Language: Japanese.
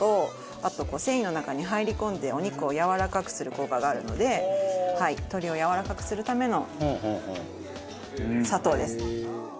あと繊維の中に入り込んでお肉をやわらかくする効果があるので鶏をやわらかくするための砂糖です。